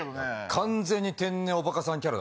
完全に天然おバカさんキャラ。